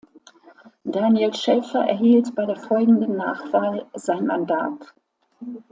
Daniel Schaefer erhielt bei der folgenden Nachwahl sein Mandat.